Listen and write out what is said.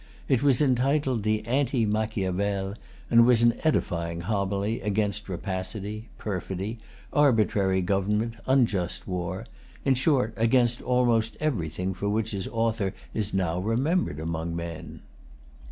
It was entitled the Anti Machiavel, and was an edifying homily against rapacity, perfidy, arbitrary government, unjust war, in short, against almost everything for which its author is now remembered among men.